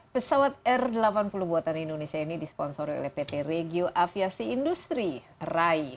pesawat r delapan puluh buatan indonesia ini disponsori oleh pt regio aviasi industri rai